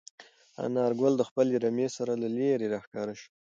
انارګل د خپلې رمې سره له لیرې راښکاره شو.